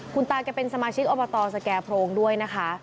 คุณตาแกเป็นสมาชิกอบตสแก่โพรงด้วยนะคะ